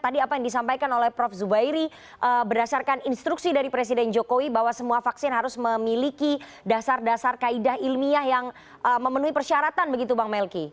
tadi apa yang disampaikan oleh prof zubairi berdasarkan instruksi dari presiden jokowi bahwa semua vaksin harus memiliki dasar dasar kaidah ilmiah yang memenuhi persyaratan begitu bang melki